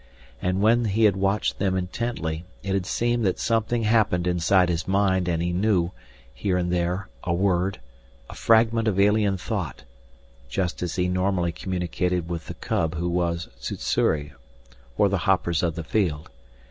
And when he had watched them intently it had seemed that something happened inside his mind and he knew, here and there, a word, a fragment of alien thought just as he normally communicated with the cub who was Sssuri or the hoppers of the field.